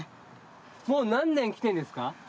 もう何年来てんですか？